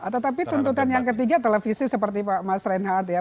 tetapi tuntutan yang ketiga televisi seperti pak mas reinhardt ya